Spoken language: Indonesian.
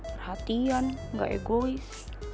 perhatian gak egois